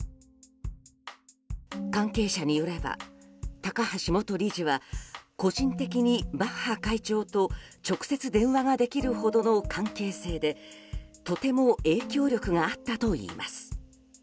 関係者によれば、高橋元理事は個人的にバッハ会長と直接電話ができるほどの関係性でとても影響力があったといいます。